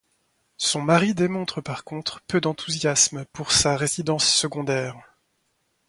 Son mari démontre par contre peu d'enthousiasme pour sa résidence secondaire.